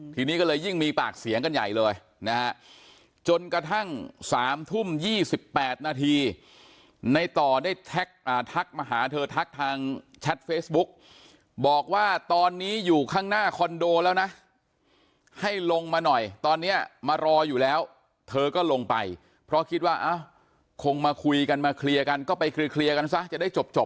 ทีนี้ก็เลยยิ่งมีปากเสียงกันใหญ่เลยนะฮะจนกระทั่ง๓ทุ่ม๒๘นาทีในต่อได้ทักมาหาเธอทักทางแชทเฟซบุ๊กบอกว่าตอนนี้อยู่ข้างหน้าคอนโดแล้วนะให้ลงมาหน่อยตอนนี้มารออยู่แล้วเธอก็ลงไปเพราะคิดว่าคงมาคุยกันมาเคลียร์กันก็ไปเคลียร์กันซะจะได้จบ